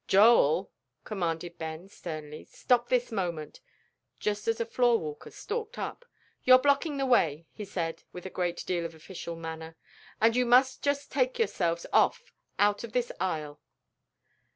"Joel," commanded Ben, sternly, "stop this moment," just as a floor walker stalked up. "You're blocking the way," he said with a great deal of official manner, "and you must just take yourselves off out of this aisle."